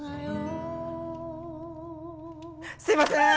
すいません。